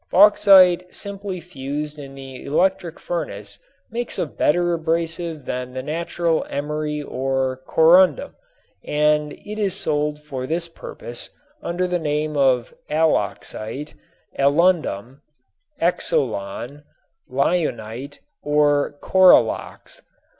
Bauxite simply fused in the electric furnace makes a better abrasive than the natural emery or corundum, and it is sold for this purpose under the name of "aloxite," "alundum," "exolon," "lionite" or "coralox."